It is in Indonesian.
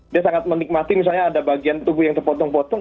dia sangat menikmati misalnya ada bagian tubuh yang terpotong potong